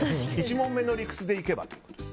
１問目の理屈でいけばと。